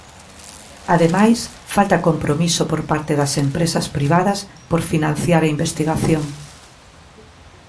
Ademais, falta compromiso por parte das empresas privadas por financiar a investigación.